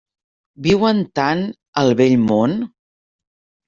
Viuen tant al Vell Món.